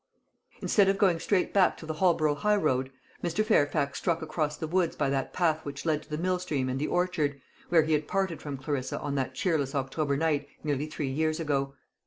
Instead of going straight back to the Holborough high road, Mr. Fairfax struck across the woods by that path which led to the mill stream and the orchard, where he had parted from Clarissa on that cheerless October night nearly three years ago.